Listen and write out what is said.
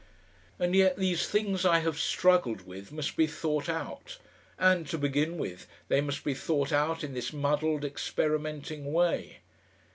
And yet these things I have struggled with must be thought out, and, to begin with, they must be thought out in this muddled, experimenting way.